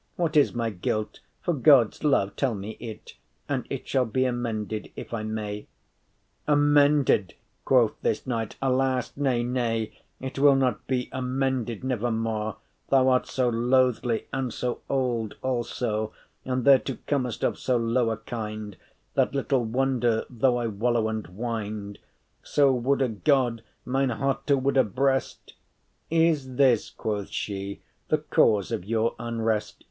What is my guilt? for God’s love tell me it, And it shall be amended, if I may.” “Amended!” quoth this knight; “alas, nay, nay, It will not be amended, never mo’; Thou art so loathly, and so old also, And thereto* comest of so low a kind, *in addition That little wonder though I wallow and wind;* *writhe, turn about So woulde God, mine hearte woulde brest!”* *burst “Is this,” quoth she, “the cause of your unrest?